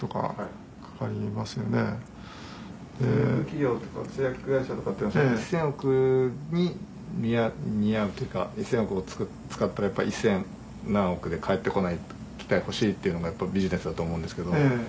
企業とか製薬会社はその１０００億に見合うというか１０００億を使ったらやっぱり１０００何億で返って来てほしいっていうのがビジネスだと思うんですけど。